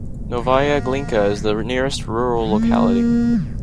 Novaya Glinka is the nearest rural locality.